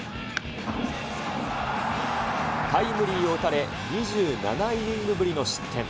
タイムリーを打たれ、２７イニングぶりの失点。